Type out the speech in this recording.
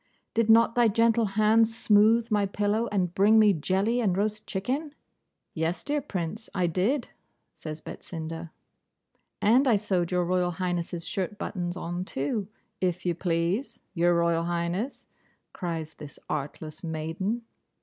'Did not thy gentle hand smooth my pillow, and bring me jelly and roast chicken?' 'Yes, dear Prince, I did,' says Betsinda, 'and I sewed Your Royal Highness's shirt buttons on too, if you please, Your Royal Highness,' cries this artless maiden.